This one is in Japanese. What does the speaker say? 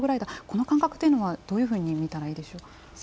この感覚はどういうふうに見たらいいでしょうか？